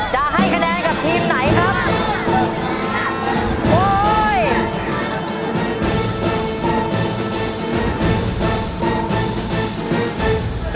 จะให้คะแนนกับทีมไหนครับ